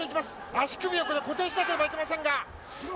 足首を固定しなければいけませんが。